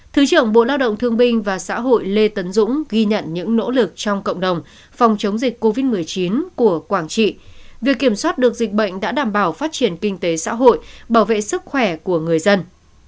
thứ trưởng bộ lao động thương binh và xã hội lê tấn dũng ghi nhận những nỗ lực trong cộng đồng phòng chống dịch covid một mươi chín của quảng trị việc kiểm soát được dịch bệnh đã đảm bảo phát triển kinh tế xã hội bảo vệ sức khỏe của người dân